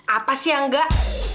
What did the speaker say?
apa sih yang enggak